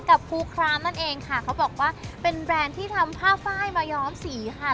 กับภูครามนั่นเองค่ะเขาบอกว่าเป็นแบรนด์ที่ทำผ้าไฟล์มาย้อมสีค่ะ